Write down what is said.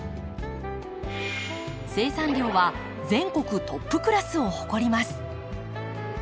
生産量は全国トップクラスを誇ります。